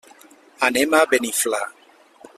Anem a Beniflà.